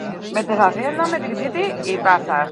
Hala izanik, osasunean dauden desorekak, ekidin daitezke.